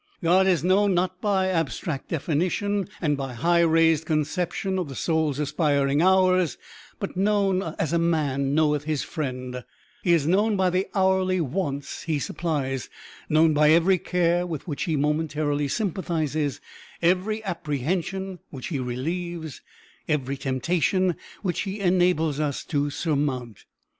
God is known, not by abstract definition, and by high raised conceptions of the soul's aspiring hours, but known as a man knoweth his friend; he is known by the hourly wants he supplies; known by every care with which he momentarily sympathizes, every apprehension which he relieves, every temptation which he enables us to surmount.